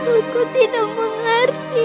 aku tidak mengerti